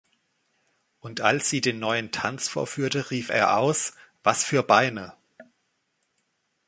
Und als sie den neuen Tanz vorführte, rief er aus: Was für Beine!